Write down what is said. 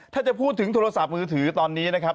ถ้าจะพูดถึงโทรศัพท์มือถือตอนนี้นะครับ